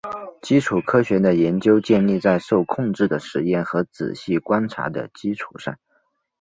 基础科学的研究建立在受控制的实验和仔细观察的基础上。